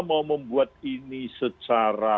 mau membuat ini secara